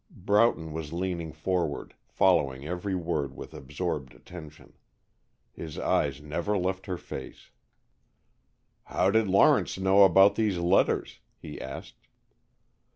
Broughton was leaning forward, following every word with absorbed attention. His eyes never left her face. "How did Lawrence know about these letters?" he asked.